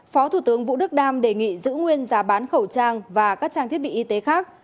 phó thủ tướng vũ đức đam đề nghị giữ nguyên giá bán khẩu trang và các trang thiết bị y tế khác